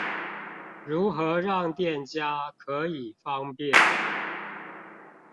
如何讓店家可以方便